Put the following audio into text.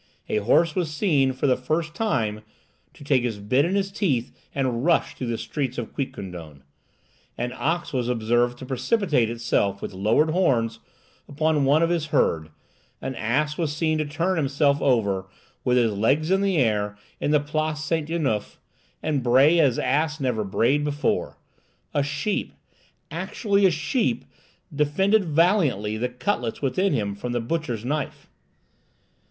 A horse was seen, for the first time, to take his bit in his teeth and rush through the streets of Quiquendone; an ox was observed to precipitate itself, with lowered horns, upon one of his herd; an ass was seen to turn himself ever, with his legs in the air, in the Place Saint Ernuph, and bray as ass never brayed before; a sheep, actually a sheep, defended valiantly the cutlets within him from the butcher's knife.